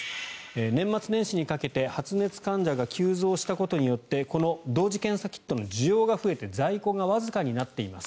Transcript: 年末年始にかけて発熱患者が急増したことによって同時検査キットの需要が増えて在庫がわずかになっています。